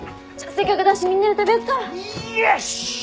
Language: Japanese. せっかくだしみんなで食べよっか。よしっ！